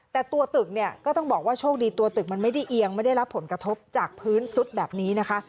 แต่ตัวตึกเนี่ยก็ต้องบอกว่าโชคดีตัวตึกมันไม่ได้เอียงไม่ได้รับผลกระทบจากพื้นซุดแบบนี้นะคะ